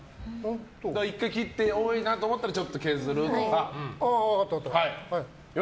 だから１回切って、多いなと思ったら、ちょっと削るとか。